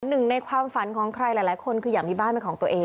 หนึ่งในความฝันของใครหลายคนคืออยากมีบ้านเป็นของตัวเอง